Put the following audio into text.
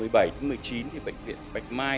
bệnh viện bạch mai